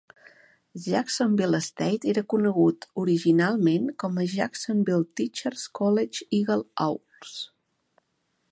Jacksonville State era conegut originalment com a Jacksonville Teachers College Eagle Owls.